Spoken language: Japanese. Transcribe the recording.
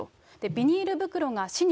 ビニール袋が死に